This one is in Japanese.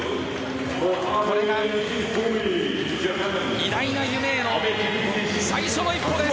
これが、偉大な夢への最初の一歩です！